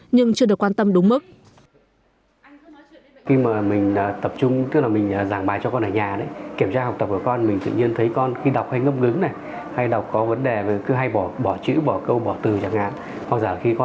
nhưng chưa được quan tâm đúng mức